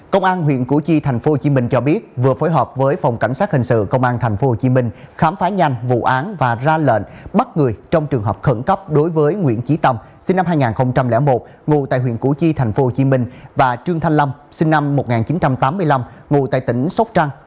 công an huyện củ chi tp hcm cho biết vừa phối hợp với phòng cảnh sát hình sự công an tp hcm khám phá nhanh vụ án và ra lệnh bắt người trong trường hợp khẩn cấp đối với nguyễn trí tâm sinh năm hai nghìn một ngụ tại huyện củ chi tp hcm và trương thanh lâm sinh năm một nghìn chín trăm tám mươi năm ngủ tại tỉnh sóc trăng